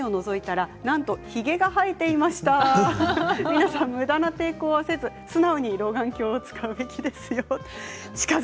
皆さん、むだな抵抗はせず素直に老眼鏡を使うべきですよと。